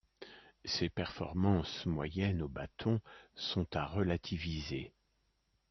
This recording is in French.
Ses performances moyennes au bâton sont à relativiser.